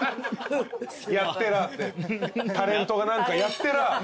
やってらあってタレントが何かやってらあ。